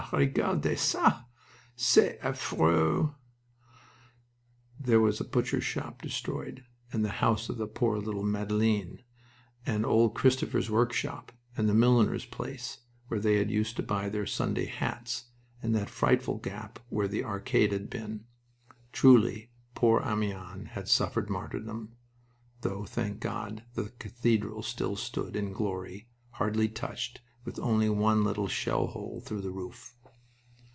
Regardez ca! c'est affreux!" There was the butcher's shop, destroyed; and the house of poor little Madeleine; and old Christopher's workshop; and the milliner's place, where they used to buy their Sunday hats; and that frightful gap where the Arcade had been. Truly, poor Amiens had suffered martyrdom; though, thank God, the cathedral still stood in glory, hardly touched, with only one little shellhole through the roof.